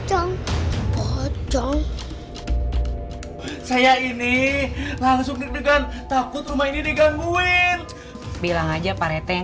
hai saya ini langsung rencan takut rumah ini digangguin bilang aja parah tengah